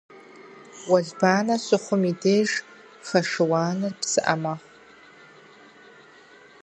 Уэлбанэ щыхъунум и деж фэ шыуар псыӏэ мэхъу.